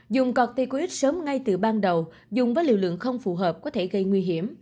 dùng corticoid sớm ngay từ ban đầu dùng với liều lượng không phù hợp có thể gây nguy hiểm